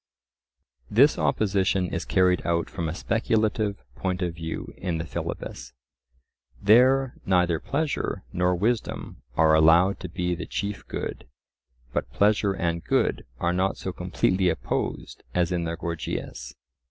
This opposition is carried out from a speculative point of view in the Philebus. There neither pleasure nor wisdom are allowed to be the chief good, but pleasure and good are not so completely opposed as in the Gorgias.